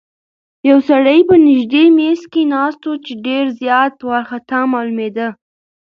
یو سړی په نږدې میز کې ناست و چې ډېر زیات وارخطا معلومېده.